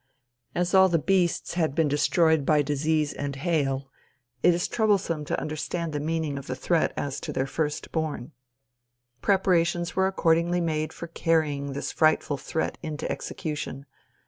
As all the beasts had been destroyed by disease and hail, it is troublesome to understand the meaning of the threat as to their first born. Preparations were accordingly made for carrying this frightful threat into execution.